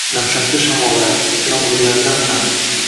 Dahshatli shamollar, yomg’irlardan ham…